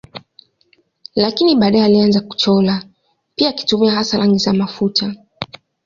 Lakini baadaye alianza kuchora pia akitumia hasa rangi za mafuta.